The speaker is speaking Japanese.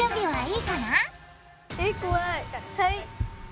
はい。